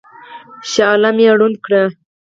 شاه عالم یې ړوند کړ.